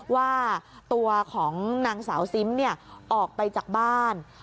ว่าตัวของนางสาวซิมออกไปจากบ้าน